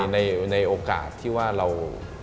ในโอกาสที่ว่าเรา